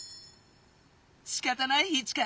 しかたないイチカ。